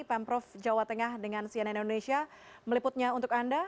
pemprov jawa tengah dengan cnn indonesia meliputnya untuk anda